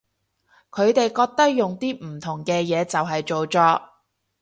佢哋覺得用啲唔同嘅嘢就係造作